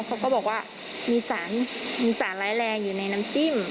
เขาก็บอกว่ามีสารมีสารร้ายแรงอยู่ในน้ำจิ้ม